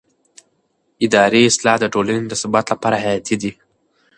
اداري اصلاح د ټولنې د ثبات لپاره حیاتي دی